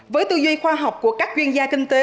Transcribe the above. với tư duy khoa học của các chuyên gia kinh tế